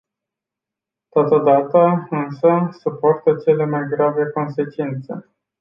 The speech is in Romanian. Totodată, însă, suportă cele mai grave consecințe.